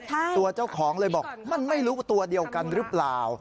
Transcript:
ตัวเจ้าของเลยบอกมันไม่รู้ตัวเดียวกันหรือเปล่า